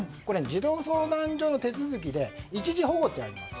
児童相談所の手続きで一時保護というのがあります。